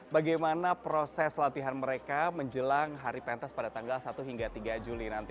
bagaimana proses latihan mereka menjelang hari pentas pada tanggal satu hingga tiga juli nanti